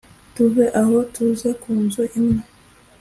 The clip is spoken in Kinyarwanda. tuve aho tuze kunzu imwe